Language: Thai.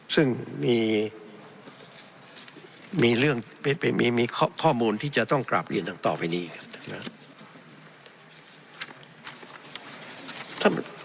ซึ่งมีเรื่องมีข้อมูลที่จะต้องกราบเรียนต่อไปนี้ครับ